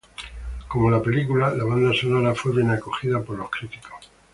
Como la película, la banda sonora fue bien acogida por los críticos.